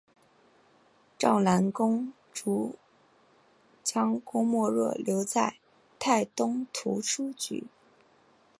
赵南公遂将郭沫若留在泰东图书局。